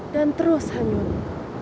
dan terus hanyut